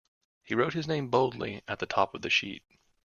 He wrote his name boldly at the top of the sheet.